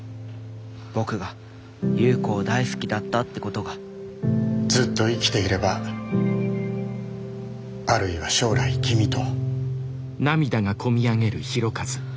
僕が夕子を大好きだったってことがずっと生きていればあるいは将来きみと。